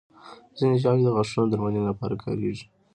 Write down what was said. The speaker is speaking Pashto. ځینې ژاولې د غاښونو درملنې لپاره کارېږي.